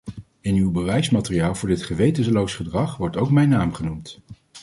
In uw bewijsmateriaal voor dit gewetenloos gedrag wordt ook mijn naam genoemd.